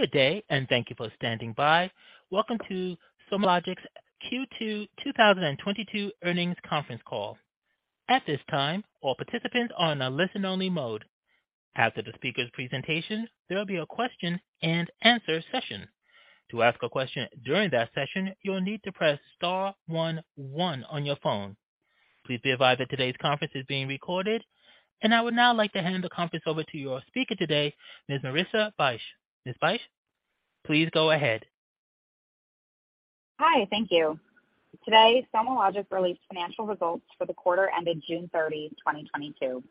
Good day, and thank you for standing by. Welcome to SomaLogic's Q2 2022 earnings conference call. At this time, all participants are on a listen only mode. After the speaker's presentation, there will be a question and answer session. To ask a question during that session, you will need to press star one one on your phone. Please be advised that today's conference is being recorded. I would now like to hand the conference over to your speaker today, Ms. Marissa Bych. Ms. Bych, please go ahead. Hi. Thank you. Today, SomaLogic released financial results for the quarter ending June 30, 2022.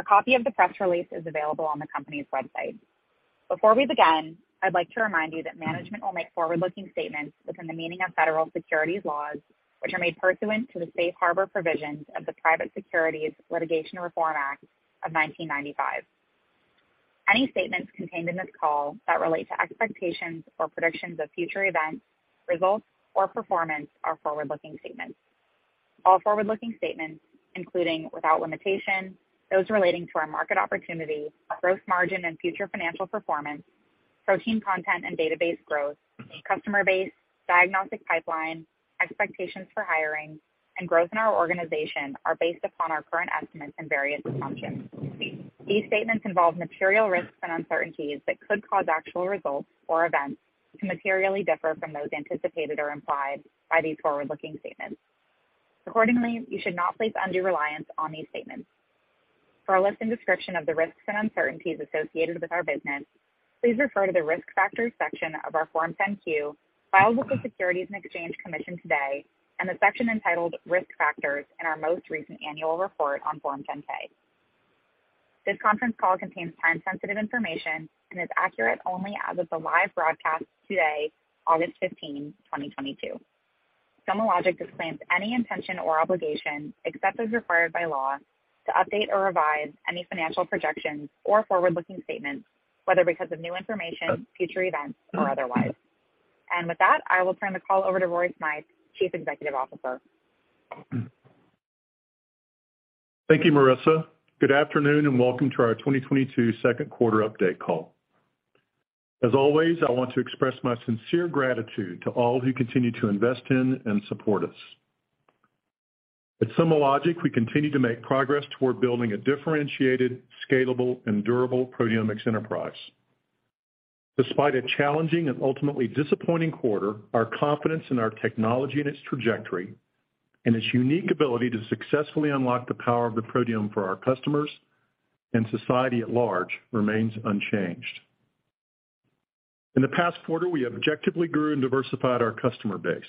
A copy of the press release is available on the company's website. Before we begin, I'd like to remind you that management will make forward-looking statements within the meaning of federal securities laws, which are made pursuant to the safe harbor provisions of the Private Securities Litigation Reform Act of 1995. Any statements contained in this call that relate to expectations or predictions of future events, results, or performance are forward-looking statements. All forward-looking statements, including, without limitation, those relating to our market opportunity, our growth margin and future financial performance, protein content and database growth, customer base, diagnostic pipeline, expectations for hiring, and growth in our organization, are based upon our current estimates and various assumptions. These statements involve material risks and uncertainties that could cause actual results or events to materially differ from those anticipated or implied by these forward-looking statements. Accordingly, you should not place undue reliance on these statements. For a list and description of the risks and uncertainties associated with our business, please refer to the Risk Factors section of our Form 10-Q filed with the Securities and Exchange Commission today and the section entitled Risk Factors in our most recent annual report on Form 10-K. This conference call contains time-sensitive information and is accurate only as of the live broadcast today, August 15, 2022. SomaLogic disclaims any intention or obligation, except as required by law, to update or revise any financial projections or forward-looking statements, whether because of new information, future events or otherwise. With that, I will turn the call over to Roy Smythe, Chief Executive Officer. Thank you, Marissa. Good afternoon, and welcome to our 2022 second quarter update call. As always, I want to express my sincere gratitude to all of you who continue to invest in and support us. At SomaLogic, we continue to make progress toward building a differentiated, scalable and durable proteomics enterprise. Despite a challenging and ultimately disappointing quarter, our confidence in our technology and its trajectory and its unique ability to successfully unlock the power of the proteome for our customers and society at large remains unchanged. In the past quarter, we objectively grew and diversified our customer base.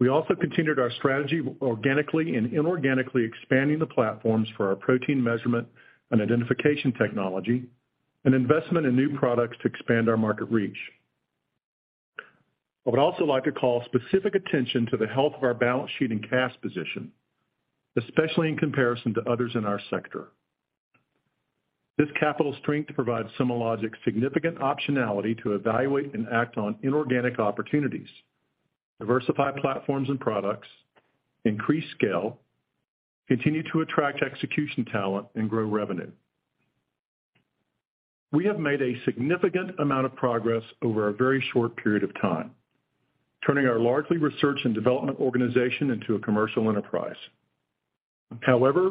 We also continued our strategy organically and inorganically expanding the platforms for our protein measurement and identification technology and investment in new products to expand our market reach. I would also like to call specific attention to the health of our balance sheet and cash position, especially in comparison to others in our sector. This capital strength provides SomaLogic significant optionality to evaluate and act on inorganic opportunities, diversify platforms and products, increase scale, continue to attract execution talent and grow revenue. We have made a significant amount of progress over a very short period of time, turning our largely research and development organization into a commercial enterprise. However,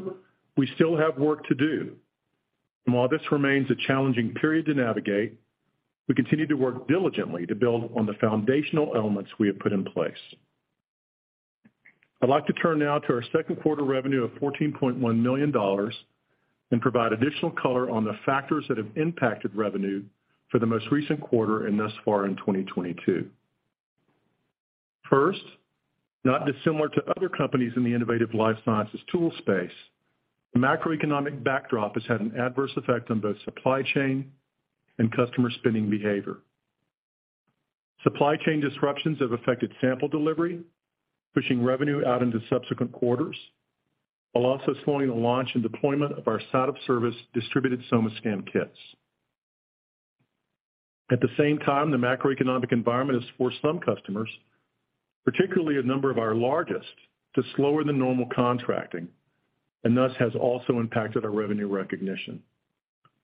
we still have work to do. While this remains a challenging period to navigate, we continue to work diligently to build on the foundational elements we have put in place. I'd like to turn now to our second quarter revenue of $14.1 million and provide additional color on the factors that have impacted revenue for the most recent quarter and thus far in 2022. First, not dissimilar to other companies in the innovative life sciences tool space, the macroeconomic backdrop has had an adverse effect on both supply chain and customer spending behavior. Supply chain disruptions have affected sample delivery, pushing revenue out into subsequent quarters, while also slowing the launch and deployment of our side of service distributed SomaScan kits. At the same time, the macroeconomic environment has forced some customers, particularly a number of our largest, to slower than normal contracting and thus has also impacted our revenue recognition.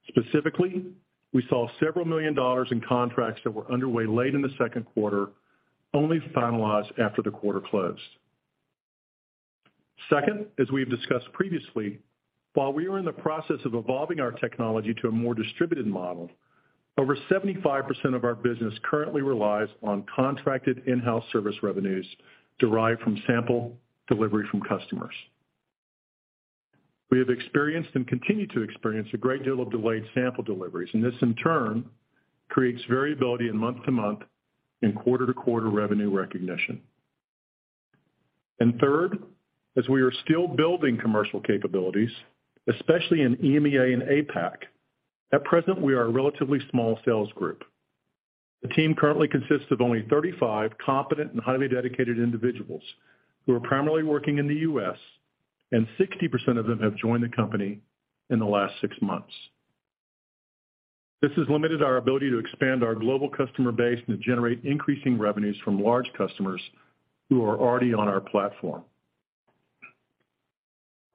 Specifically, we saw $several million in contracts that were underway late in the second quarter, only finalized after the quarter closed. Second, as we have discussed previously, while we are in the process of evolving our technology to a more distributed model, over 75% of our business currently relies on contracted in-house service revenues derived from sample delivery from customers. We have experienced and continue to experience a great deal of delayed sample deliveries, and this in turn creates variability in month-to-month and quarter-to-quarter revenue recognition. Third, as we are still building commercial capabilities, especially in EMEA and APAC, at present, we are a relatively small sales group. The team currently consists of only 35 competent and highly dedicated individuals who are primarily working in the US, and 60% of them have joined the company in the last six months. This has limited our ability to expand our global customer base and to generate increasing revenues from large customers who are already on our platform.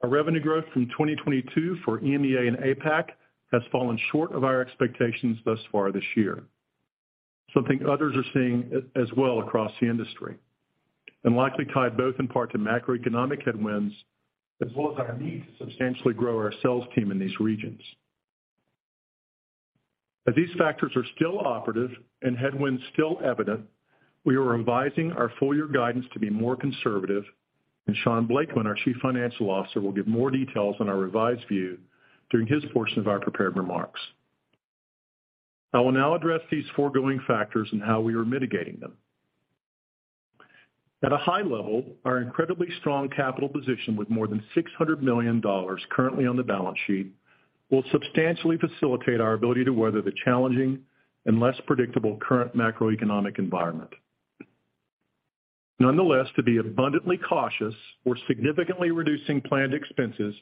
Our revenue growth from 2022 for EMEA and APAC has fallen short of our expectations thus far this year. Something others are seeing as well across the industry, and likely tied both in part to macroeconomic headwinds, as well as our need to substantially grow our sales team in these regions. As these factors are still operative and headwinds still evident, we are revising our full- year guidance to be more conservative, and Shaun Blakeman, our Chief Financial Officer, will give more details on our revised view during his portion of our prepared remarks. I will now address these foregoing factors and how we are mitigating them. At a high level, our incredibly strong capital position with more than $600 million currently on the balance sheet will substantially facilitate our ability to weather the challenging and less predictable current macroeconomic environment. Nonetheless, to be abundantly cautious, we're significantly reducing planned expenses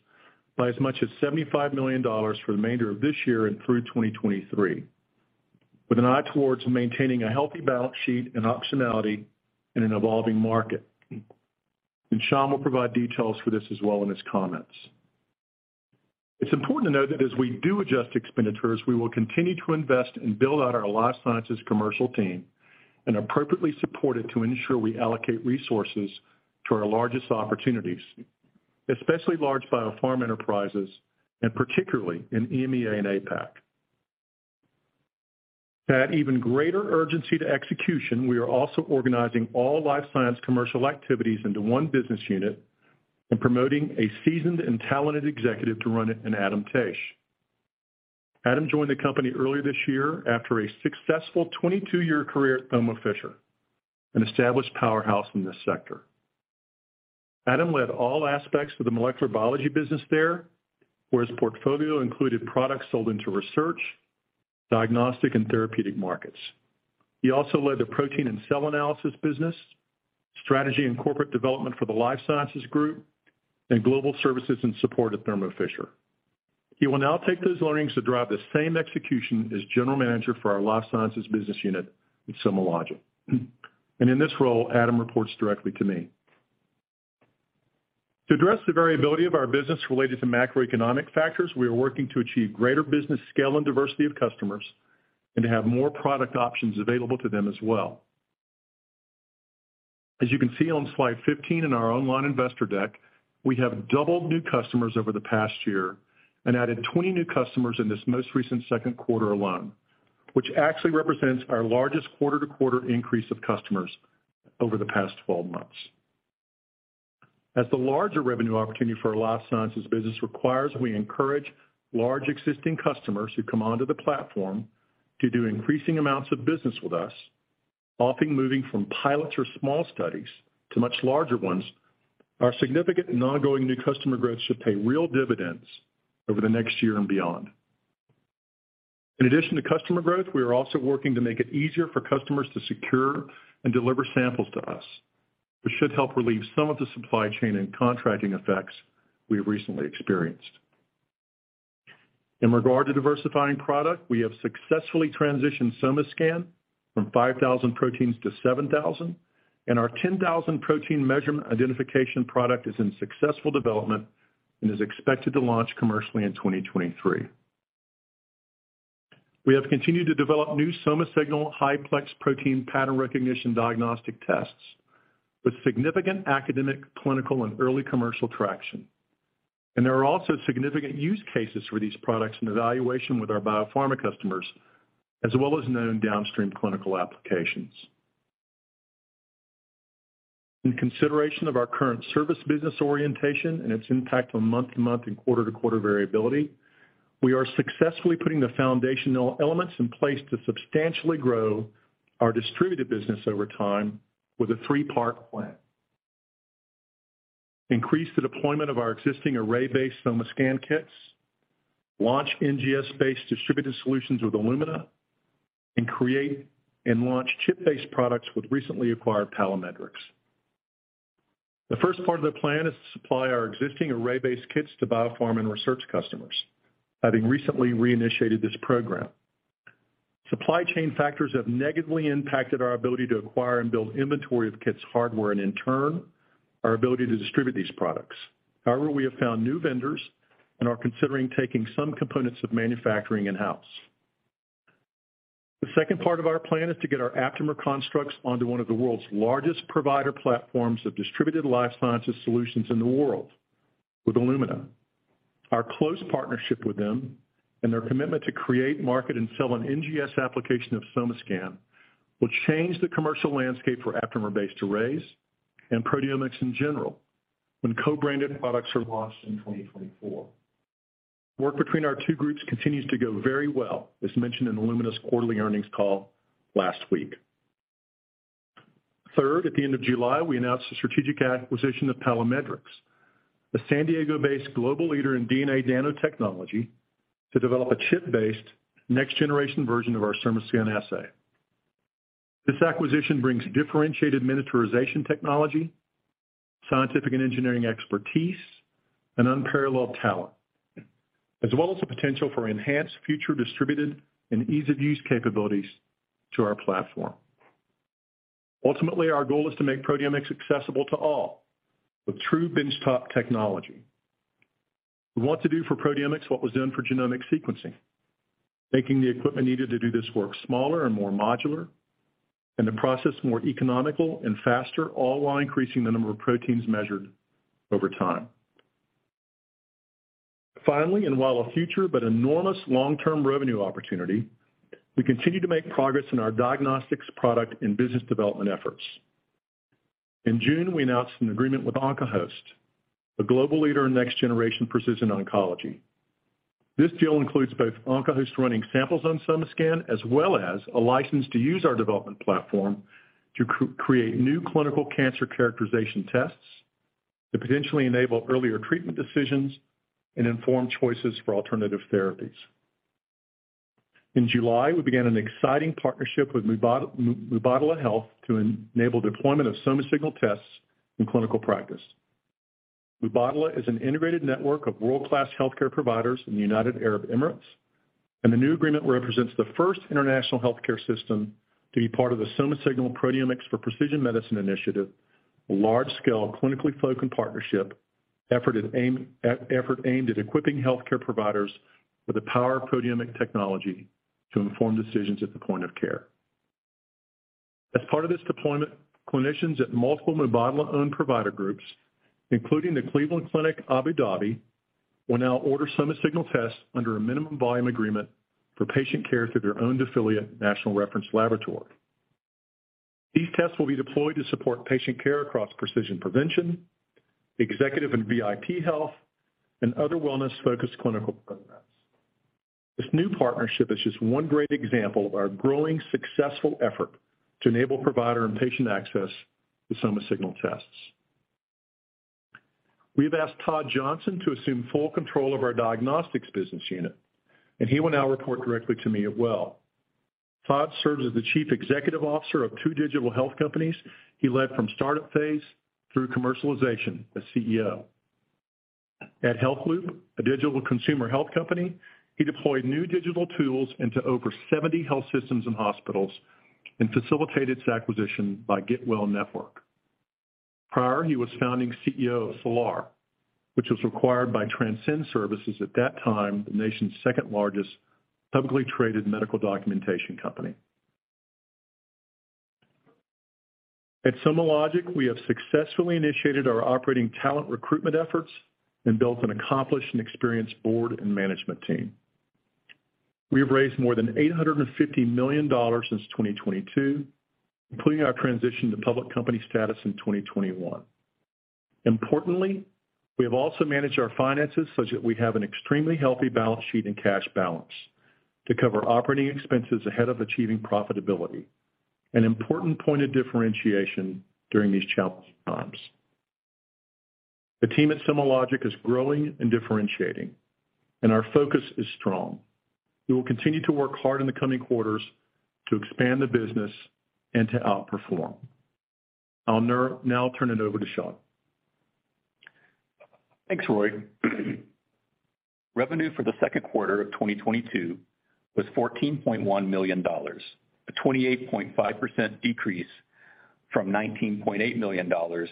by as much as $75 million for the remainder of this year and through 2023, with an eye towards maintaining a healthy balance sheet and optionality in an evolving market. Shaun will provide details for this as well in his comments. It's important to note that as we do adjust expenditures, we will continue to invest and build out our life sciences commercial team, and appropriately support it to ensure we allocate resources to our largest opportunities, especially large biopharm enterprises, and particularly in EMEA and APAC. To add even greater urgency to execution, we are also organizing all life science commercial activities into one business unit and promoting a seasoned and talented executive to run it in Adam Taich. Adam Taich joined the company earlier this year after a successful 22-year career at Thermo Fisher, an established powerhouse in this sector. Adam Taich led all aspects of the molecular biology business there, where his portfolio included products sold into research, diagnostic and therapeutic markets. He also led the protein and cell analysis business, strategy and corporate development for the life sciences group, and global services and support at Thermo Fisher. He will now take those learnings to drive the same execution as General Manager for our life sciences business unit with SomaLogic. In this role, Adam Taich reports directly to me. To address the variability of our business related to macroeconomic factors, we are working to achieve greater business scale and diversity of customers and to have more product options available to them as well. As you can see on slide 15 in our online investor deck, we have doubled new customers over the past year and added 20 new customers in this most recent second quarter alone, which actually represents our largest quarter-to-quarter increase of customers over the past 12 months. As the larger revenue opportunity for our life sciences business requires, we encourage large existing customers who come onto the platform to do increasing amounts of business with us, often moving from pilots or small studies to much larger ones. Our significant and ongoing new customer growth should pay real dividends over the next year and beyond. In addition to customer growth, we are also working to make it easier for customers to secure and deliver samples to us, which should help relieve some of the supply chain and contracting effects we recently experienced. In regard to diversifying product, we have successfully transitioned SomaScan from 5,000 proteins to 7,000, and our 10,000 protein measurement identification product is in successful development and is expected to launch commercially in 2023. We have continued to develop new SomaSignal HiPlex protein pattern recognition diagnostic tests with significant academic, clinical and early commercial traction. There are also significant use cases for these products in evaluation with our biopharma customers, as well as known downstream clinical applications. In consideration of our current service business orientation and its impact on month-to-month and quarter-to-quarter variability, we are successfully putting the foundational elements in place to substantially grow our distributed business over time with a three-part plan, increase the deployment of our existing array-based SomaScan kits, launch NGS-based distributed solutions with Illumina, and create and launch chip-based products with recently acquired Palamedrix. The first part of the plan is to supply our existing array-based kits to biopharma and research customers, having recently reinitiated this program. Supply chain factors have negatively impacted our ability to acquire and build inventory of kits and hardware, and in turn, our ability to distribute these products. However, we have found new vendors and are considering taking some components of manufacturing in-house. The second part of our plan is to get our aptamer constructs onto one of the world's largest providers of platforms for distributed life sciences solutions, with Illumina. Our close partnership with them and their commitment to create, market and sell an NGS application of SomaScan will change the commercial landscape for aptamer-based arrays and proteomics in general when co-branded products are launched in 2024. Work between our two groups continues to go very well, as mentioned in Illumina's quarterly earnings call last week. Third, at the end of July, we announced the strategic acquisition of Palamedrix, a San Diego-based global leader in DNA nanotechnology, to develop a chip-based next generation version of our SomaScan assay. This acquisition brings differentiated miniaturization technology, scientific and engineering expertise and unparalleled talent, as well as the potential for enhanced future distributed and ease of use capabilities to our platform. Ultimately, our goal is to make proteomics accessible to all with true benchtop technology. We want to do for proteomics what was done for genomic sequencing, making the equipment needed to do this work smaller and more modular, and the process more economical and faster, all while increasing the number of proteins measured over time. Finally, and while a future but enormous long-term revenue opportunity, we continue to make progress in our diagnostics product and business development efforts. In June, we announced an agreement with OncoHost, a global leader in next-generation precision oncology. This deal includes both OncoHost running samples on SomaScan, as well as a license to use our development platform to create new clinical cancer characterization tests to potentially enable earlier treatment decisions and inform choices for alternative therapies. In July, we began an exciting partnership with Mubadala Health to enable deployment of SomaSignal tests in clinical practice. Mubadala is an integrated network of world-class healthcare providers in the United Arab Emirates, and the new agreement represents the first international healthcare system to be part of the SomaSignal Proteomics for Precision Medicine Initiative, a large-scale, clinically focused partnership effort aimed at equipping healthcare providers with the power of proteomic technology to inform decisions at the point of care. As part of this deployment, clinicians at multiple Mubadala-owned provider groups, including the Cleveland Clinic Abu Dhabi, will now order SomaSignal tests under a minimum volume agreement for patient care through their own affiliate national reference laboratory. These tests will be deployed to support patient care across precision prevention, executive and VIP health, and other wellness-focused clinical programs. This new partnership is just one great example of our growing successful effort to enable provider and patient access to SomaSignal tests. We've asked Todd Johnson to assume full control of our diagnostics business unit, and he will now report directly to me as well. Todd served as the chief executive officer of two digital health companies he led from startup through commercialization as CEO. At HealthLoop, a digital consumer health company, he deployed new digital tools into over 70 health systems and hospitals and facilitated its acquisition by GetWellNetwork. Prior, he was founding CEO of Cellar, which was acquired by Transcend Services, at that time, the nation's second-largest publicly traded medical documentation company. At SomaLogic, we have successfully initiated our operating talent recruitment efforts and built an accomplished and experienced board and management team. We have raised more than $850 million since 2022, including our transition to public company status in 2021. Importantly, we have also managed our finances such that we have an extremely healthy balance sheet and cash balance to cover operating expenses ahead of achieving profitability, an important point of differentiation during these challenging times. The team at SomaLogic is growing and differentiating, and our focus is strong. We will continue to work hard in the coming quarters to expand the business and to outperform. I'll now turn it over to Shaun. Thanks, Roy. Revenue for the second quarter of 2022 was $14.1 million, a 28.5% decrease from $19.8 million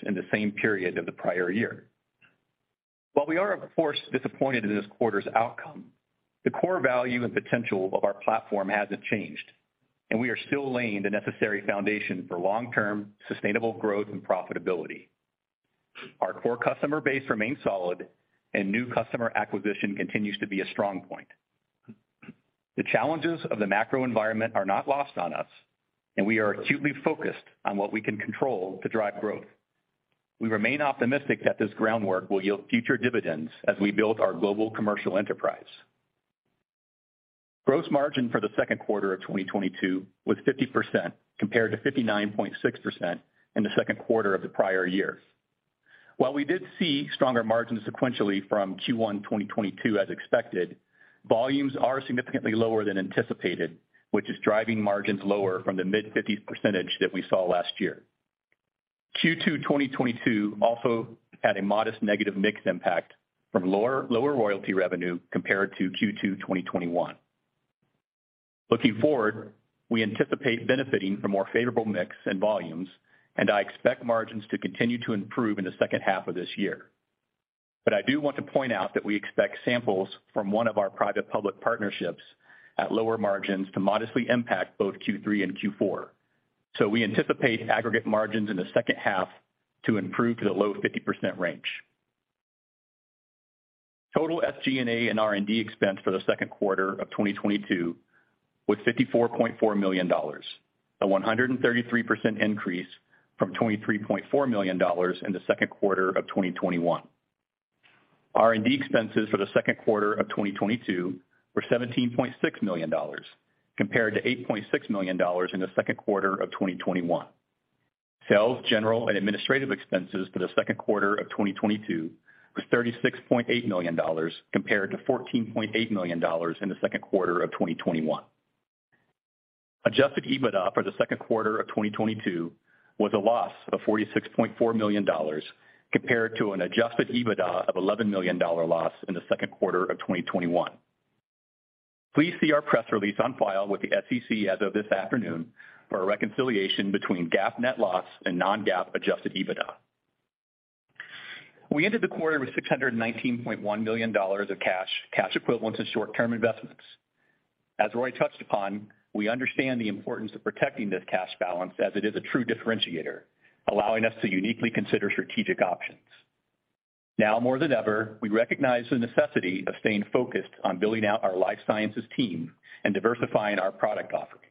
in the same period of the prior year. While we are, of course, disappointed in this quarter's outcome, the core value and potential of our platform hasn't changed, and we are still laying the necessary foundation for long-term sustainable growth and profitability. Our core customer base remains solid, and new customer acquisition continues to be a strong point. The challenges of the macro environment are not lost on us and we are acutely focused on what we can control to drive growth. We remain optimistic that this groundwork will yield future dividends as we build our global commercial enterprise. Gross margin for the second quarter of 2022 was 50%, compared to 59.6% in the second quarter of the prior year. While we did see stronger margins sequentially from Q1 2022 as expected, volumes are significantly lower than anticipated, which is driving margins lower from the mid-50s% that we saw last year. Q2 2022 also had a modest negative mix impact from lower royalty revenue compared to Q2 2021. Looking forward, we anticipate benefiting from more favorable mix and volumes, and I expect margins to continue to improve in the second half of this year. I do want to point out that we expect samples from one of our public-private partnerships at lower margins to modestly impact both Q3 and Q4. We anticipate aggregate margins in the second half to improve to the low 50% range. Total SG&A and R&D expense for the second quarter of 2022 was $54.4 million, 133% increase from $23.4 million in the second quarter of 2021. R&D expenses for the second quarter of 2022 were $17.6 million compared to $8.6 million in the second quarter of 2021. Sales, general, and administrative expenses for the second quarter of 2022 was $36.8 million compared to $14.8 million in the second quarter of 2021. Adjusted EBITDA for the second quarter of 2022 was a loss of $46.4 million compared to an adjusted EBITDA of $11 million dollar loss in the second quarter of 2021. Please see our press release on file with the SEC as of this afternoon for a reconciliation between GAAP net loss and non-GAAP adjusted EBITDA. We ended the quarter with $619.1 million of cash equivalents, and short-term investments. As Roy touched upon, we understand the importance of protecting this cash balance as it is a true differentiator, allowing us to uniquely consider strategic options. Now more than ever, we recognize the necessity of staying focused on building out our life sciences team and diversifying our product offerings.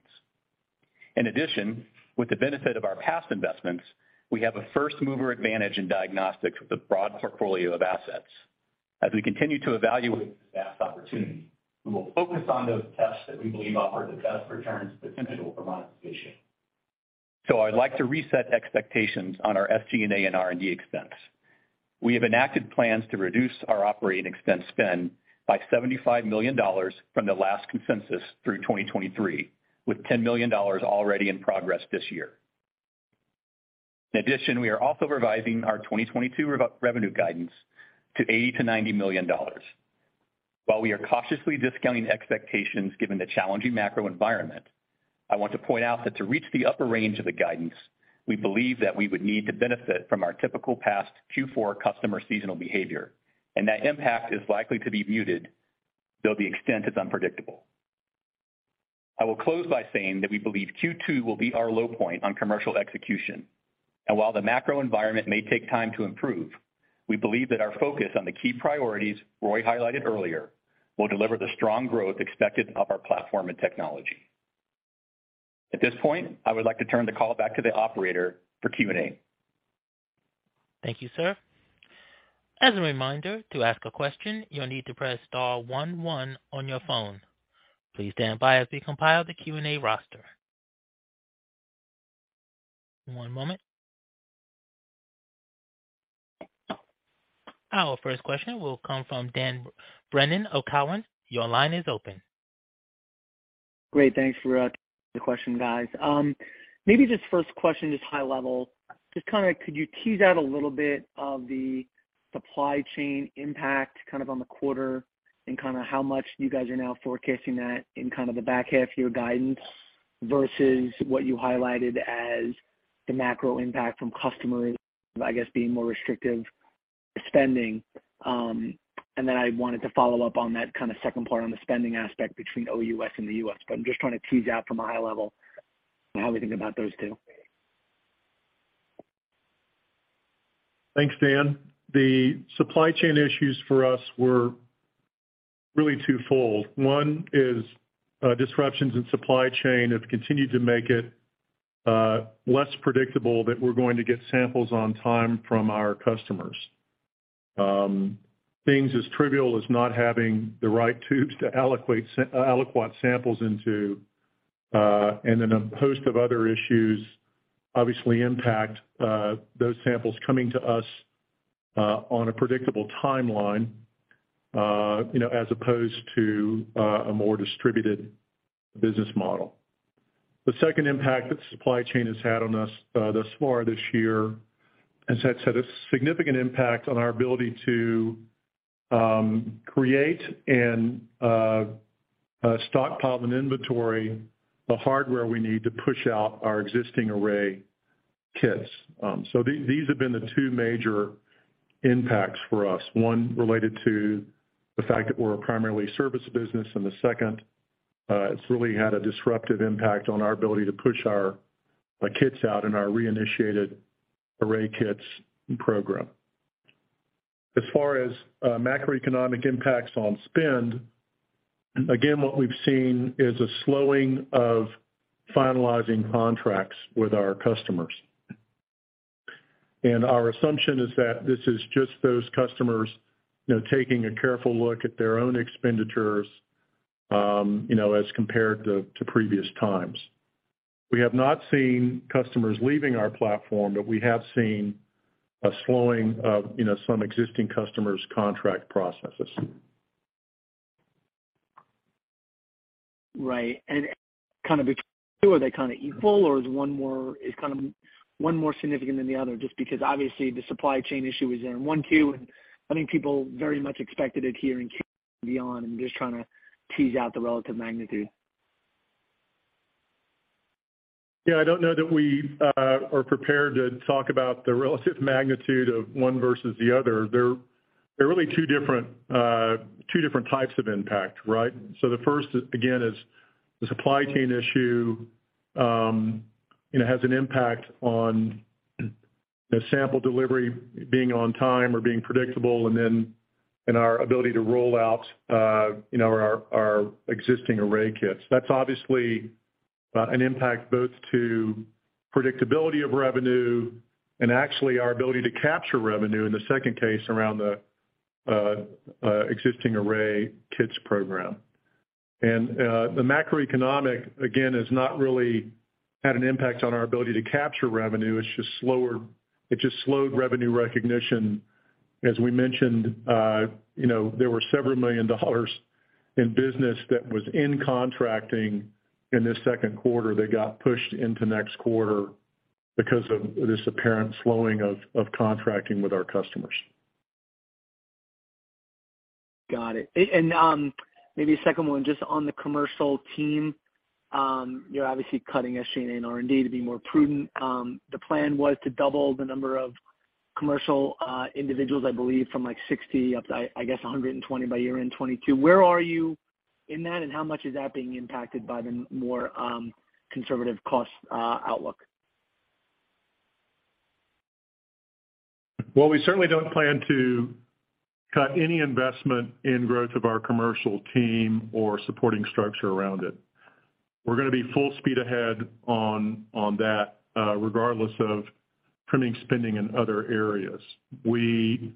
In addition, with the benefit of our past investments, we have a first-mover advantage in diagnostics with a broad portfolio of assets. As we continue to evaluate this vast opportunity, we will focus on those tests that we believe offer the best returns potential for monetization. I'd like to reset expectations on our SG&A and R&D expense. We have enacted plans to reduce our operating expense spend by $75 million from the last consensus through 2023, with $10 million already in progress this year. In addition, we are also revising our 2022 revenue guidance to $80-$90 million. While we are cautiously discounting expectations given the challenging macro environment, I want to point out that to reach the upper range of the guidance, we believe that we would need to benefit from our typical past Q4 customer seasonal behavior, and that impact is likely to be muted, though the extent is unpredictable. I will close by saying that we believe Q2 will be our low point on commercial execution. While the macro environment may take time to improve, we believe that our focus on the key priorities Roy highlighted earlier will deliver the strong growth expected of our platform and technology. At this point, I would like to turn the call back to the operator for Q&A. Thank you, sir. As a reminder, to ask a question, you'll need to press star one one on your phone. Please stand by as we compile the Q&A roster. One moment. Our first question will come from Dan Brennan, TD Cowen. Your line is open. Great. Thanks, Roy. The question, guys. Maybe just first question, just high level, just kinda could you tease out a little bit of the supply chain impact kind of on the quarter and kinda how much you guys are now forecasting that in kind of the back half of your guidance versus what you highlighted as the macro impact from customers, I guess, being more restrictive spending? And then I wanted to follow up on that kind of second part on the spending aspect between OUS and the US. I'm just trying to tease out from a high level on how we think about those two. Thanks, Dan. The supply chain issues for us were really twofold. One is disruptions in supply chain have continued to make it less predictable that we're going to get samples on time from our customers. Things as trivial as not having the right tubes to allocate aliquot samples into, and then a host of other issues obviously impact those samples coming to us on a predictable timeline, you know, as opposed to a more distributed business model. The second impact that the supply chain has had on us thus far this year is that's had a significant impact on our ability to create and stockpile and inventory the hardware we need to push out our existing array kits. These have been the two major impacts for us. One related to the fact that we're a primarily service business, and the second, it's really had a disruptive impact on our ability to push our, like, kits out in our reinitiated array kits program. As far as macroeconomic impacts on spend, again, what we've seen is a slowing of finalizing contracts with our customers. Our assumption is that this is just those customers, you know, taking a careful look at their own expenditures, you know, as compared to previous times. We have not seen customers leaving our platform, but we have seen a slowing of, you know, some existing customers' contract processes. Right. Kind of between the two, are they kinda equal or is kind of one more significant than the other? Just because obviously the supply chain issue was there in one Q, and I think people very much expected it here and beyond, and just trying to tease out the relative magnitude. Yeah, I don't know that we are prepared to talk about the relative magnitude of one versus the other. They're really two different types of impact, right? So the first, again, is the supply chain issue, and it has an impact on the sample delivery being on time or being predictable and our ability to roll out, you know, our existing array kits. That's obviously an impact both to predictability of revenue and actually our ability to capture revenue in the second case around the existing array kits program. The macroeconomic, again, has not really had an impact on our ability to capture revenue. It just slowed revenue recognition. As we mentioned, you know, there were $several million in business that was in contracting in this second quarter that got pushed into next quarter because of this apparent slowing of contracting with our customers. Got it. Maybe a second one just on the commercial team. You're obviously cutting SG&A and R&D to be more prudent. The plan was to double the number of commercial individuals, I believe, from like 60 up to I guess 120 by year-end 2022. Where are you in that, and how much is that being impacted by the more conservative cost outlook? Well, we certainly don't plan to cut any investment in growth of our commercial team or supporting structure around it. We're gonna be full speed ahead on that, regardless of trimming spending in other areas. We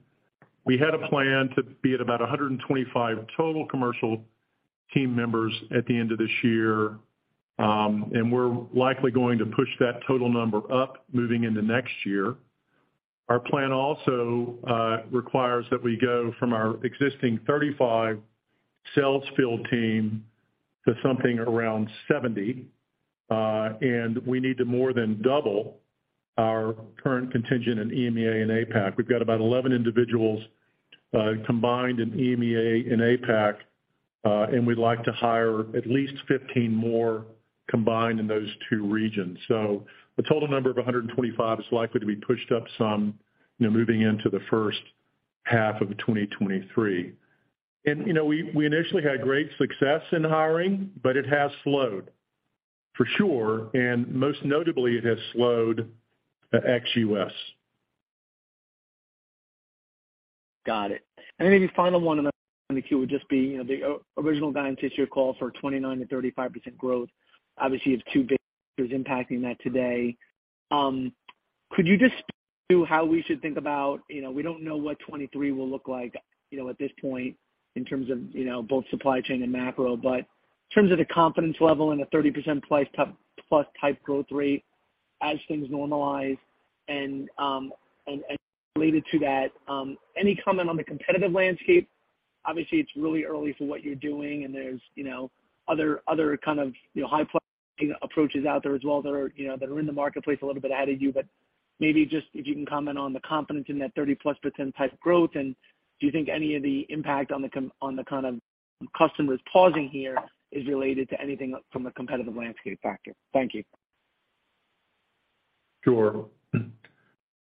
had a plan to be at about 125 total commercial team members at the end of this year, and we're likely going to push that total number up moving into next year. Our plan also requires that we go from our existing 35 sales field team to something around 70, and we need to more than double our current contingent in EMEA and APAC. We've got about 11 individuals combined in EMEA and APAC, and we'd like to hire at least 15 more combined in those two regions. The total number of 125 is likely to be pushed up some, you know, moving into the first half of 2023. You know, we initially had great success in hiring, but it has slowed for sure, and most notably it has slowed ex-US. Got it. Then maybe final one on the Q would just be, you know, the original guidance issued a call for 29%-35% growth obviously has two big factors impacting that today. Could you just speak to how we should think about, you know, we don't know what 2023 will look like, you know, at this point in terms of, you know, both supply chain and macro, but in terms of the confidence level and the 30%+ type growth rate as things normalize. Related to that, any comment on the competitive landscape? Obviously, it's really early for what you're doing, and there's, you know, other kind of, you know, high-plex approaches out there as well that are, you know, that are in the marketplace a little bit ahead of you. Maybe just if you can comment on the confidence in that 30%+ type growth, and do you think any of the impact on the kind of customers pausing here is related to anything from a competitive landscape factor? Thank you. Sure.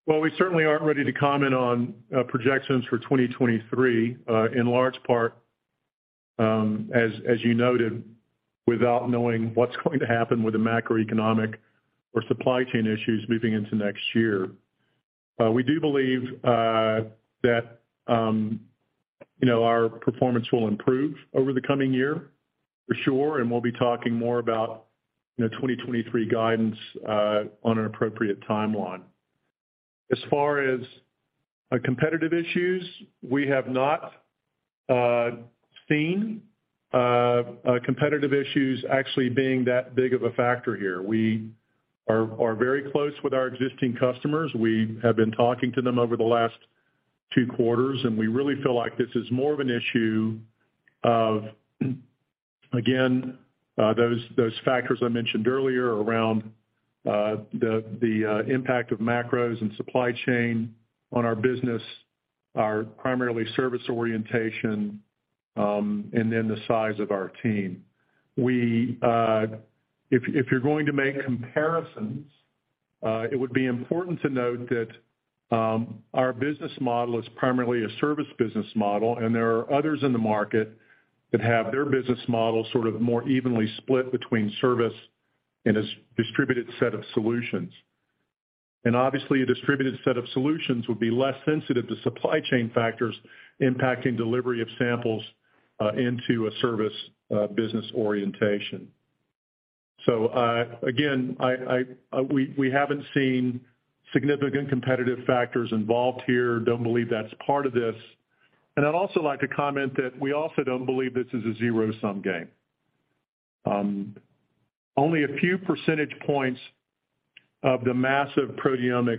Well, we certainly aren't ready to comment on projections for 2023, in large part, as you noted, without knowing what's going to happen with the macroeconomic or supply chain issues moving into next year. We do believe that you know, our performance will improve over the coming year for sure, and we'll be talking more about you know, 2023 guidance on an appropriate timeline. As far as competitive issues, we have not seen competitive issues actually being that big of a factor here. We are very close with our existing customers. We have been talking to them over the last two quarters, and we really feel like this is more of an issue of, again, those factors I mentioned earlier around the impact of macros and supply chain on our business, our primarily service orientation, and then the size of our team. If you're going to make comparisons, it would be important to note that our business model is primarily a service business model, and there are others in the market that have their business model sort of more evenly split between service and a SaaS-distributed set of solutions. Obviously a distributed set of solutions would be less sensitive to supply chain factors impacting delivery of samples into a service business orientation. Again, we haven't seen significant competitive factors involved here. Don't believe that's part of this. I'd also like to comment that we also don't believe this is a zero-sum game. Only a few percentage points of the massive proteomics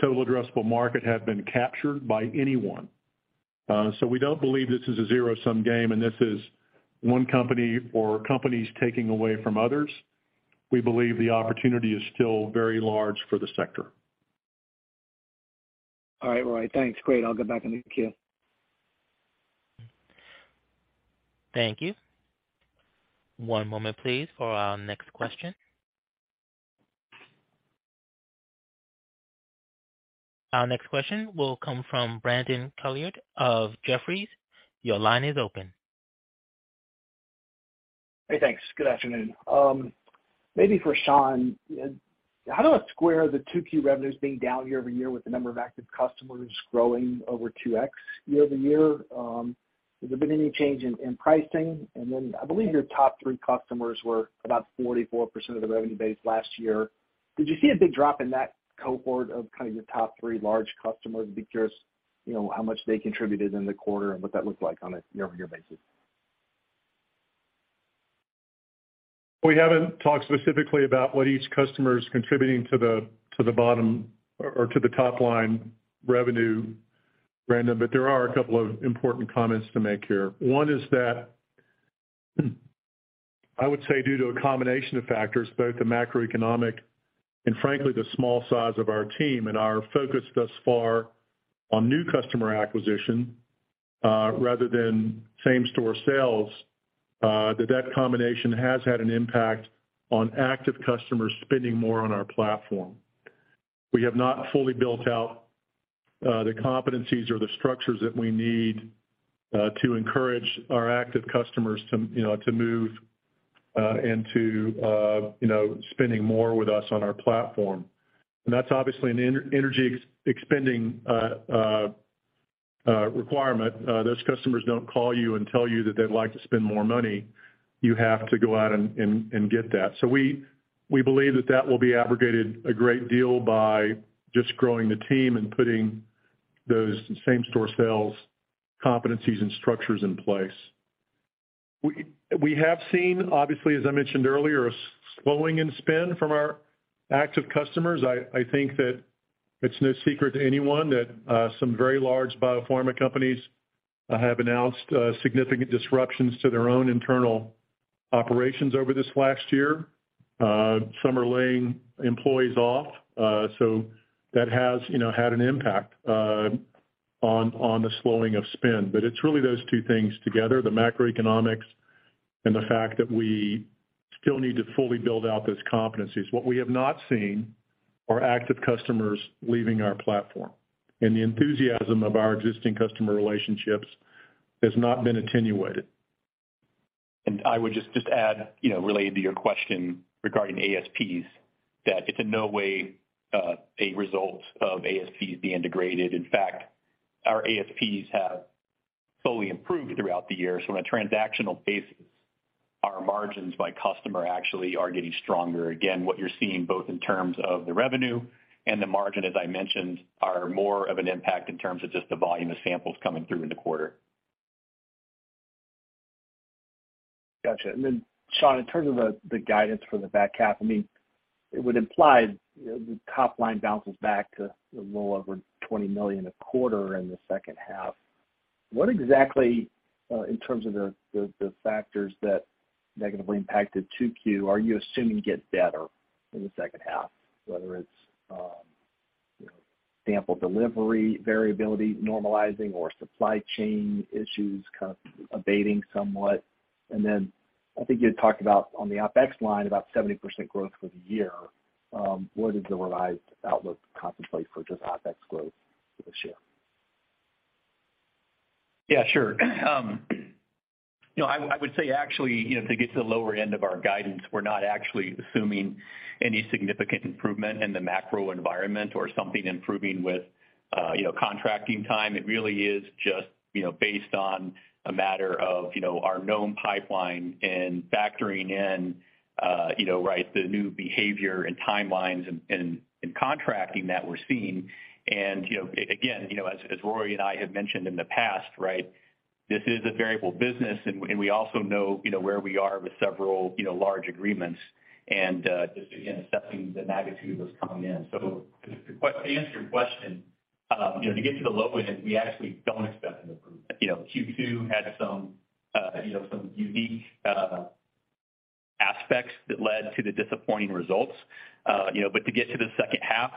total addressable market have been captured by anyone. We don't believe this is a zero-sum game and this is one company or companies taking away from others. We believe the opportunity is still very large for the sector. All right, Roy. Thanks. Great. I'll get back in the queue. Thank you. One moment please for our next question. Our next question will come from Brandon Couillard of Jefferies. Your line is open. Hey, thanks. Good afternoon. Maybe for Shaun, how do I square the 2Q revenues being down year-over-year with the number of active customers growing over 2x year-over-year? Has there been any change in pricing? I believe your top three customers were about 44% of the revenue base last year. Did you see a big drop in that cohort of kind of your top three large customers? I'd be curious, you know, how much they contributed in the quarter and what that looked like on a year-over-year basis. We haven't talked specifically about what each customer is contributing to the bottom or to the top line revenue, Brandon, but there are a couple of important comments to make here. One is that I would say due to a combination of factors, both the macroeconomic and frankly, the small size of our team and our focus thus far on new customer acquisition, rather than same-store sales, that combination has had an impact on active customers spending more on our platform. We have not fully built out the competencies or the structures that we need to encourage our active customers to, you know, to move into, you know, spending more with us on our platform. That's obviously an energy expending requirement. Those customers don't call you and tell you that they'd like to spend more money. You have to go out and get that. We believe that will be abated a great deal by just growing the team and putting those same-store sales competencies and structures in place. We have seen, obviously, as I mentioned earlier, a slowing in spend from our active customers. I think that it's no secret to anyone that some very large biopharma companies have announced significant disruptions to their own internal operations over this last year. Some are laying employees off. That has, you know, had an impact on the slowing of spend. It's really those two things together, the macroeconomics and the fact that we still need to fully build out those competencies. What we have not seen are active customers leaving our platform, and the enthusiasm of our existing customer relationships has not been attenuated. I would just add, you know, related to your question regarding ASPs, that it's in no way a result of ASPs being degraded. In fact, our ASPs have slowly improved throughout the year. On a transactional basis, our margins by customer actually are getting stronger. Again, what you're seeing both in terms of the revenue and the margin, as I mentioned, are more of an impact in terms of just the volume of samples coming through in the quarter. Gotcha. Shaun, in terms of the guidance for the back half, I mean, it would imply the top line bounces back to a little over $20 million a quarter in the second half. What exactly in terms of the factors that negatively impacted 2Q are you assuming gets better in the second half, whether it's you know, sample delivery variability normalizing or supply chain issues kind of abating somewhat? I think you had talked about on the OpEx line about 70% growth for the year. What does the revised outlook contemplate for just OpEx growth this year? Yeah, sure. You know, I would say actually, you know, to get to the lower end of our guidance, we're not actually assuming any significant improvement in the macro environment or something improving with, you know, contracting time. It really is just, you know, based on a matter of, you know, our known pipeline and factoring in, you know, right, the new behavior and timelines and contracting that we're seeing. You know, again, you know, as Roy and I have mentioned in the past, right, this is a variable business and we also know, you know, where we are with several, you know, large agreements and, just again, assessing the magnitude of those coming in. To answer your question, you know, to get to the low end, we actually don't expect an improvement. You know, Q2 had some, you know, some unique aspects that led to the disappointing results. You know, to get to the second half,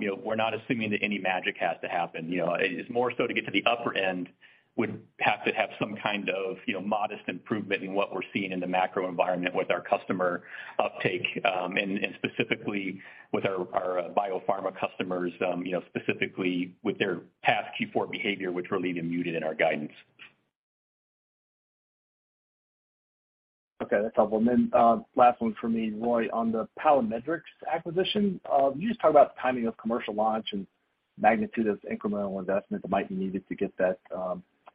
you know, we're not assuming that any magic has to happen. You know, it's more so to get to the upper end would have to have some kind of, you know, modest improvement in what we're seeing in the macro environment with our customer uptake, and specifically with our biopharma customers, you know, specifically with their past Q4 behavior, which we're leaving muted in our guidance. Okay, that's helpful. Last one for me, Roy, on the Palamedrix acquisition. Can you just talk about the timing of commercial launch and magnitude of incremental investment that might be needed to get that,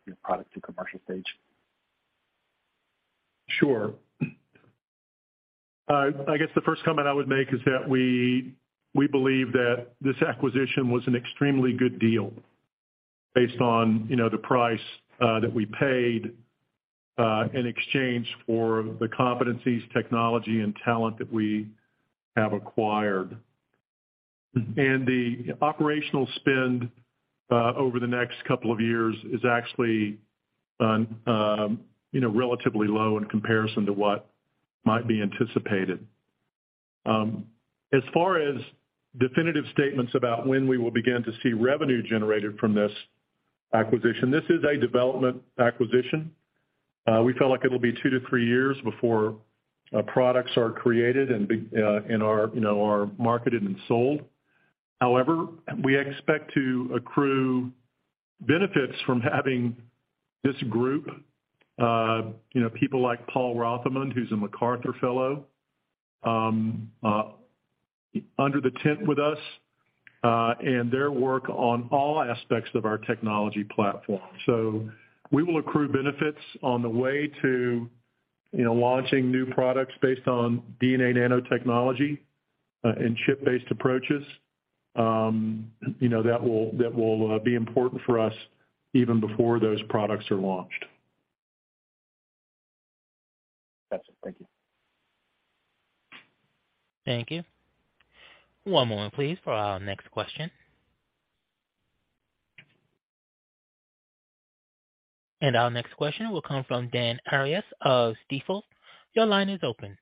you know, product to commercial stage? Sure. I guess the first comment I would make is that we believe that this acquisition was an extremely good deal based on, you know, the price that we paid in exchange for the competencies, technology, and talent that we have acquired. The operational spend over the next couple of years is actually, you know, relatively low in comparison to what might be anticipated. As far as definitive statements about when we will begin to see revenue generated from this acquisition, this is a development acquisition. We feel like it'll be two to three years before products are created and are, you know, marketed and sold. However, we expect to accrue benefits from having this group, you know, people like Paul Rothemund, who's a MacArthur Fellow, under the tent with us, and their work on all aspects of our technology platform. We will accrue benefits on the way to, you know, launching new products based on DNA nanotechnology, and chip-based approaches. You know, that will be important for us even before those products are launched. That's it. Thank you. Thank you. One moment please for our next question. Our next question will come from Dan Arias of Stifel. Your line is open.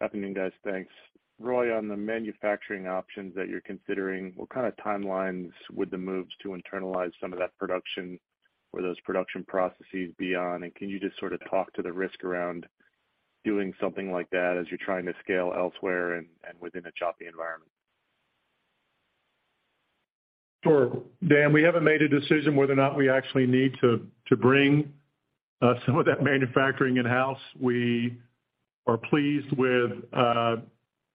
Good evening, guys. Thanks. Roy, on the manufacturing options that you're considering, what kind of timelines would the moves to internalize some of that production or those production processes be on? Can you just sort of talk to the risk around doing something like that as you're trying to scale elsewhere and within a choppy environment? Sure. Dan, we haven't made a decision whether or not we actually need to bring some of that manufacturing in-house. We are pleased with,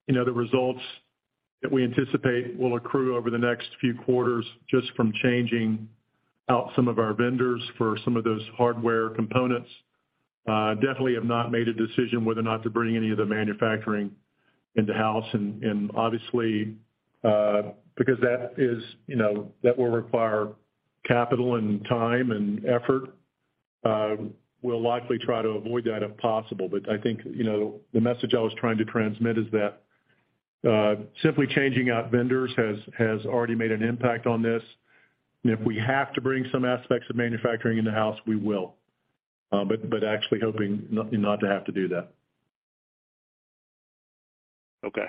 you know, the results that we anticipate will accrue over the next few quarters just from changing out some of our vendors for some of those hardware components. Definitely have not made a decision whether or not to bring any of the manufacturing in-house and obviously, because that is, you know, that will require capital and time and effort, we'll likely try to avoid that if possible. I think, you know, the message I was trying to transmit is that simply changing out vendors has already made an impact on this. If we have to bring some aspects of manufacturing in-house, we will. Actually hoping not to have to do that. Okay.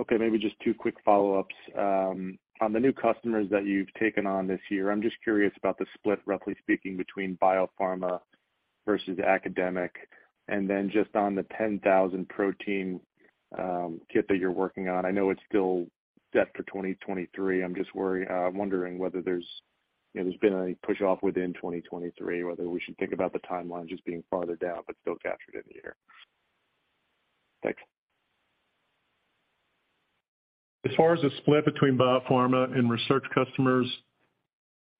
Okay, maybe just two quick follow-ups. On the new customers that you've taken on this year, I'm just curious about the split, roughly speaking, between biopharma versus academic. Just on the 10,000 protein kit that you're working on, I know it's still set for 2023. I'm just wondering whether there's, you know, there's been any push off within 2023, whether we should think about the timeline just being farther down, but still captured in the year. Thanks. As far as the split between biopharma and research customers,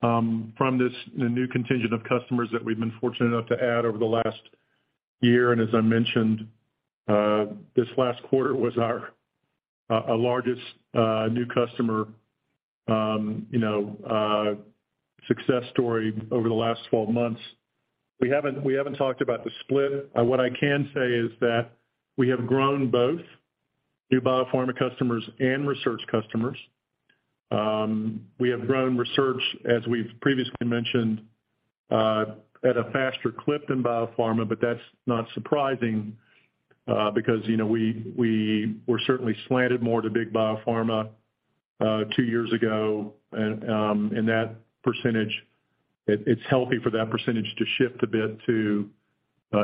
from this, the new contingent of customers that we've been fortunate enough to add over the last year, and as I mentioned, this last quarter was our largest new customer, you know, success story over the last 12 months. We haven't talked about the split. What I can say is that we have grown both new biopharma customers and research customers. We have grown research, as we've previously mentioned, at a faster clip than biopharma, but that's not surprising, because, you know, we were certainly slanted more to big biopharma two years ago. That percentage, it's healthy for that percentage to shift a bit to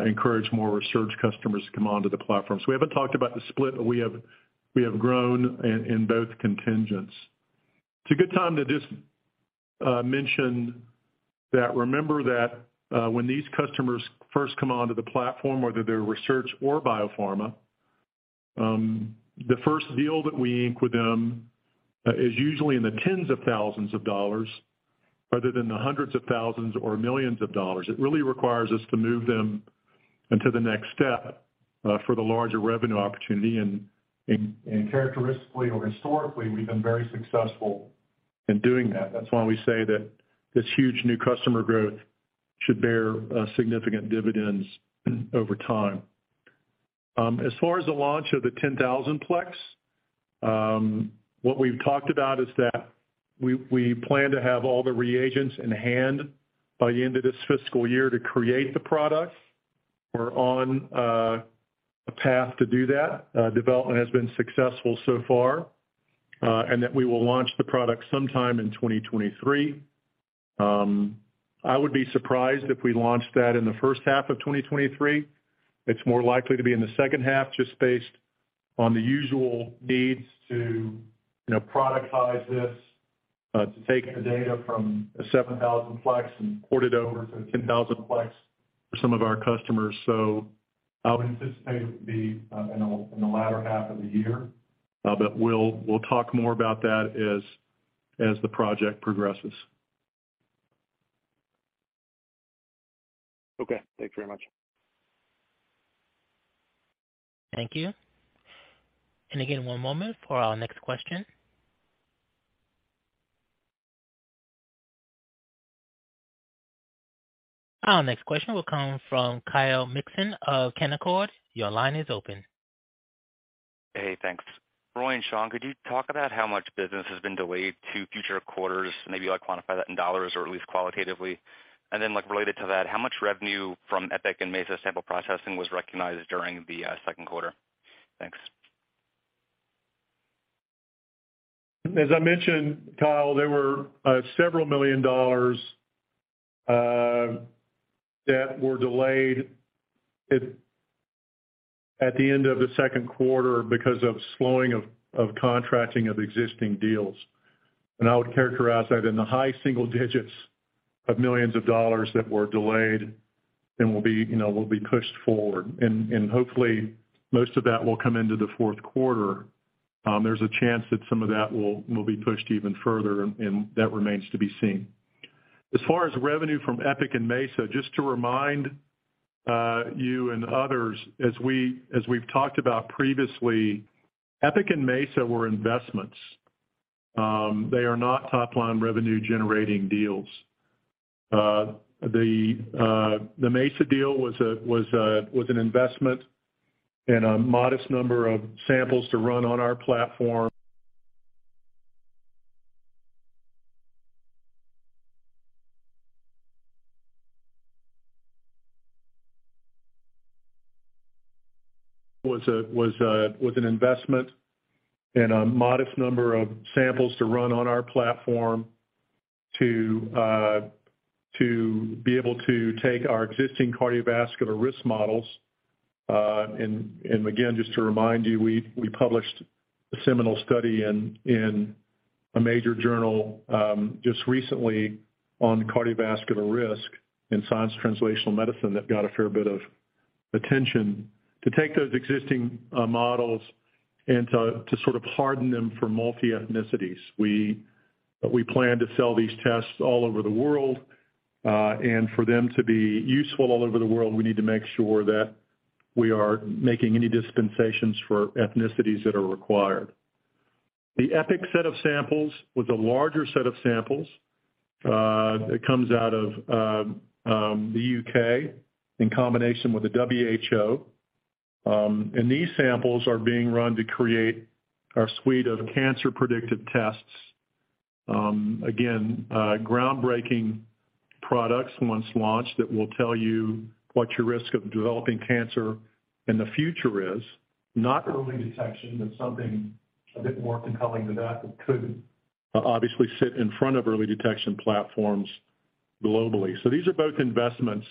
encourage more research customers to come onto the platform. We haven't talked about the split. We have grown in both constituents. It's a good time to just mention that. Remember that when these customers first come onto the platform, whether they're research or biopharma, the first deal that we ink with them is usually in the tens of thousands of dollars rather than the hundreds of thousands or millions of dollars. It really requires us to move them into the next step for the larger revenue opportunity. Characteristically or historically, we've been very successful in doing that. That's why we say that this huge new customer growth should bear significant dividends over time. As far as the launch of the 10,000-plex, what we've talked about is that we plan to have all the reagents in hand by the end of this fiscal year to create the product. We're on a path to do that. Development has been successful so far, and that we will launch the product sometime in 2023. I would be surprised if we launched that in the first half of 2023. It's more likely to be in the second half, just based on the usual needs to, you know, productize this, to take the data from a 7,000-plex and port it over to 10,000-plex for some of our customers. I would anticipate it would be in the latter half of the year. We'll talk more about that as the project progresses. Okay. Thank you very much. Thank you. Again, one moment for our next question. Our next question will come from Kyle Mikson of Canaccord. Your line is open. Hey, thanks. Roy and Sean, could you talk about how much business has been delayed to future quarters? Maybe like quantify that in dollars or at least qualitatively. Like related to that, how much revenue from EPIC and MESA sample processing was recognized during the second quarter? Thanks. As I mentioned, Kyle, there were $several million that were delayed at the end of the second quarter because of slowing of contracting of existing deals. I would characterize that in the high single digits of millions of dollars that were delayed and will be, you know, pushed forward. Hopefully, most of that will come into the fourth quarter. There's a chance that some of that will be pushed even further and that remains to be seen. As far as revenue from EPIC and MESA, just to remind you and others, as we've talked about previously, EPIC and MESA were investments. They are not top-line revenue generating deals. The MESA deal was an investment in a modest number of samples to run on our platform. It was an investment in a modest number of samples to run on our platform to be able to take our existing cardiovascular risk models and again just to remind you we published a seminal study in a major journal just recently on cardiovascular risk in Science Translational Medicine that got a fair bit of attention to take those existing models and to sort of harden them for multi-ethnicities. We plan to sell these tests all over the world and for them to be useful all over the world we need to make sure that we are making any dispensations for ethnicities that are required. The EPIC set of samples was a larger set of samples that comes out of the UK in combination with the WHO. These samples are being run to create our suite of cancer predictive tests. Again, groundbreaking products once launched that will tell you what your risk of developing cancer in the future is, not early detection, but something a bit more compelling than that could obviously sit in front of early detection platforms globally. These are both investments.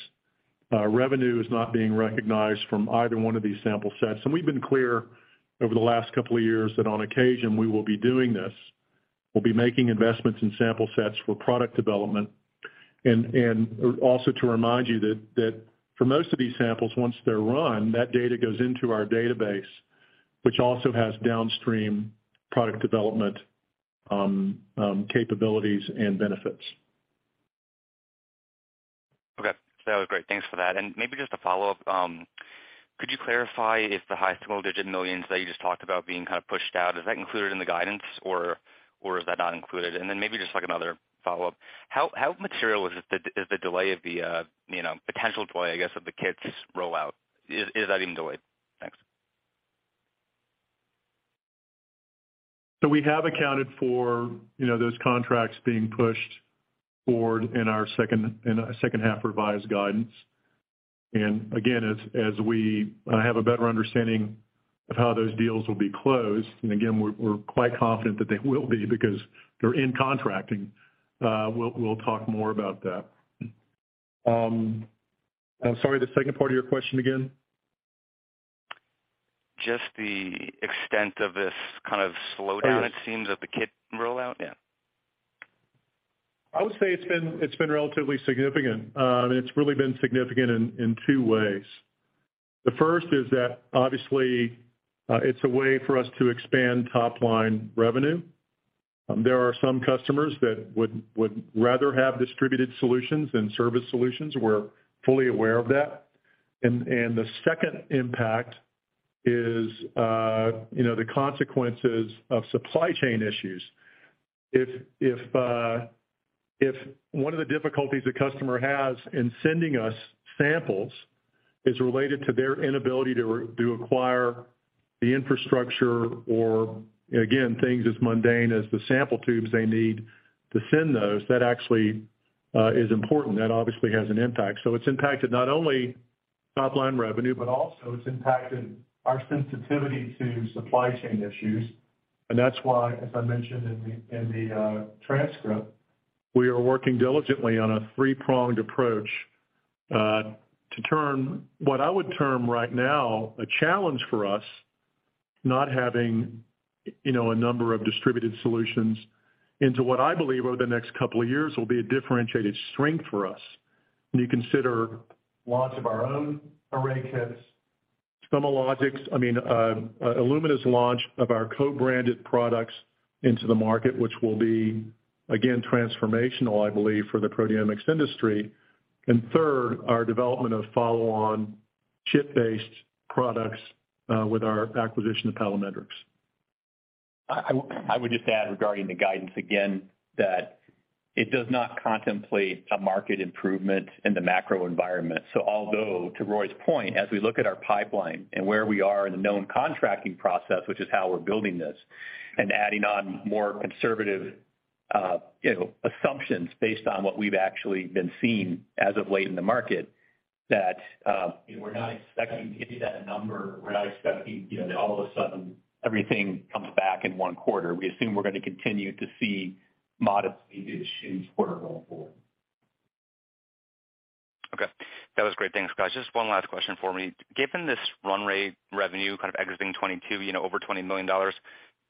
Revenue is not being recognized from either one of these sample sets, and we've been clear over the last couple of years that on occasion, we will be doing this. We'll be making investments in sample sets for product development. Also to remind you that for most of these samples, once they're run, that data goes into our database, which also has downstream product development capabilities and benefits. Okay. That was great. Thanks for that. Maybe just a follow-up. Could you clarify if the high double-digit millions that you just talked about being kind of pushed out is that included in the guidance or is that not included? Maybe just like another follow-up. How material is the delay of the you know potential delay, I guess, of the kits rollout? Is that even delayed? Thanks. We have accounted for, you know, those contracts being pushed forward in our second half revised guidance. Again, as we have a better understanding of how those deals will be closed, and again, we're quite confident that they will be because they're in contracting, we'll talk more about that. I'm sorry, the second part of your question again? Just the extent of this kind of slowdown. Oh. It seems of the kit rollout. Yeah. I would say it's been relatively significant. I mean, it's really been significant in two ways. The first is that obviously it's a way for us to expand top-line revenue. There are some customers that would rather have distributed solutions than service solutions. We're fully aware of that. The second impact is, you know, the consequences of supply chain issues. If one of the difficulties the customer has in sending us samples is related to their inability to acquire the infrastructure or, again, things as mundane as the sample tubes they need to send those, that actually is important. That obviously has an impact. It's impacted not only top-line revenue, but also it's impacted our sensitivity to supply chain issues. That's why, as I mentioned in the transcript, we are working diligently on a three-pronged approach to turn what I would term right now a challenge for us not having, you know, a number of distributed solutions into what I believe over the next couple of years will be a differentiated strength for us. When you consider launch of our own array kits, SomaLogic's, I mean, Illumina's launch of our co-branded products into the market, which will be, again, transformational, I believe, for the proteomics industry. Third, our development of follow-on chip-based products with our acquisition of Palamedrix. I would just add regarding the guidance again, that it does not contemplate a market improvement in the macro environment. Although, to Roy's point, as we look at our pipeline and where we are in the known contracting process, which is how we're building this, and adding on more conservative, you know, assumptions based on what we've actually been seeing as of late in the market, that, you know, we're not expecting to hit that number. We're not expecting, you know, that all of a sudden everything comes back in one quarter. We assume we're gonna continue to see modest speed issues quarter going forward. Okay. That was great. Thanks, guys. Just one last question for me. Given this run rate revenue kind of exiting 2022, you know, over $20 million,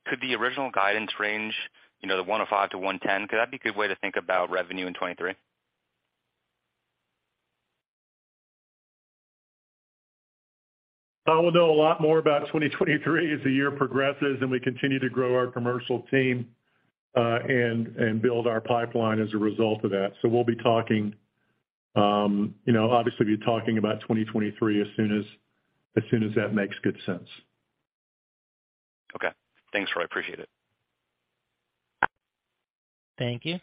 could the original guidance range, you know, the $105-$110, could that be a good way to think about revenue in 2023? I will know a lot more about 2023 as the year progresses, and we continue to grow our commercial team, and build our pipeline as a result of that. We'll be talking, you know, obviously about 2023 as soon as that makes good sense. Okay. Thanks, Roy. I appreciate it. Thank you.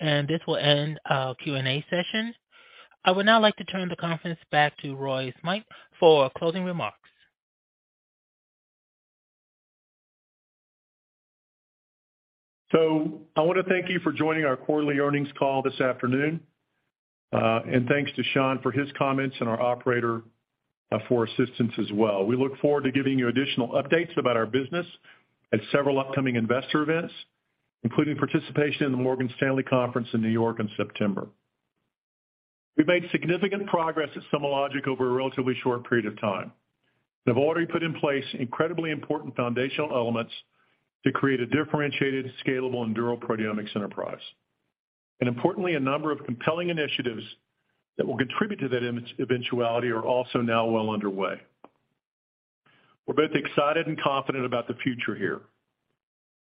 This will end our Q&A session. I would now like to turn the conference back to Roy Smythe for closing remarks. I wanna thank you for joining our quarterly earnings call this afternoon. Thanks to Sean for his comments and our operator for assistance as well. We look forward to giving you additional updates about our business at several upcoming investor events, including participation in the Morgan Stanley Conference in New York in September. We've made significant progress at SomaLogic over a relatively short period of time. We've already put in place incredibly important foundational elements to create a differentiated, scalable, and durable proteomics enterprise. Importantly, a number of compelling initiatives that will contribute to that eventuality are also now well underway. We're both excited and confident about the future here.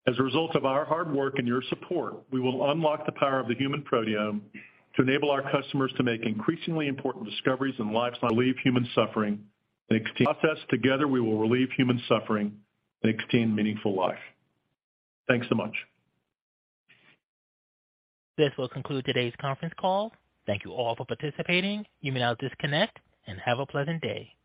As a result of our hard work and your support, we will unlock the power of the human proteome to enable our customers to make increasingly important discoveries in life sciences, relieve human suffering, and extend meaningful life. Thanks so much. This will conclude today's conference call. Thank you all for participating. You may now disconnect and have a pleasant day.